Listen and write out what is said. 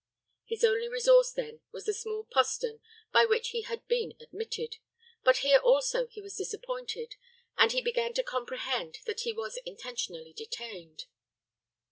His only resource, then, was the small postern by which he had been admitted; but here also he was disappointed, and he began to comprehend that he was intentionally detained.